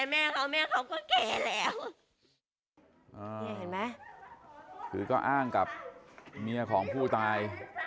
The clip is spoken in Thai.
เห็นไหมคือก็อ้างกับเมียของผู้ตาย